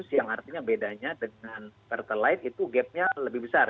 yang artinya bedanya dengan pertalite itu gapnya lebih besar